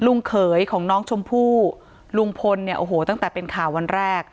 เขยของน้องชมพู่ลุงพลเนี่ยโอ้โหตั้งแต่เป็นข่าววันแรก